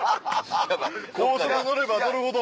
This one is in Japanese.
高速乗れば乗るほど。